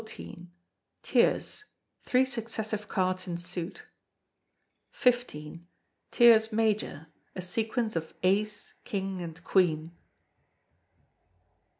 Tierce, three successive cards in suit. xv. Tierce Major, a sequence of ace, king, and queen.